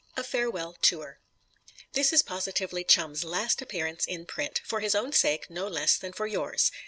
A FAREWELL TOUR This is positively Chum's last appearance in print for his own sake no less than for yours.